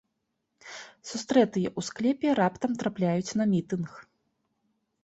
Сустрэтыя ў склепе раптам трапляюць на мітынг.